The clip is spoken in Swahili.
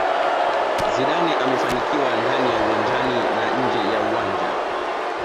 Zidane amefanikiwa ndani ya uwanjani na nje ya uwanja